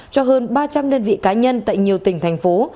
cho hơn ba trăm linh đơn vị cá nhân tại nhiều tỉnh thành phố